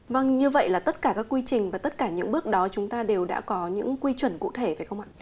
vâng như vậy là tất cả các quy trình và tất cả những bước đó chúng ta đều đã có những quy chuẩn cụ thể phải không ạ